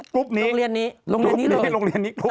ครุปนี้ลงเรียนนี้เลย